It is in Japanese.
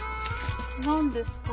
何ですか？